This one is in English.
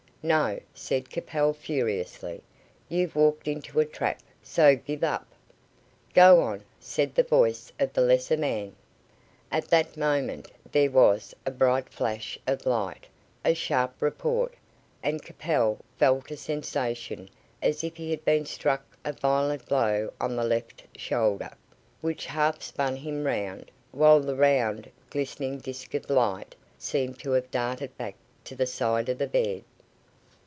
"No," said Capel, furiously. "You've walked into a trap, so give up." "Go on," said the voice of the lesser man. At that moment there was a bright flash of light, a sharp report, and Capel felt a sensation as if he had been struck a violent blow on the left shoulder, which half spun him round, while the round, glistening disc of light seemed to have darted back to the side of the bed.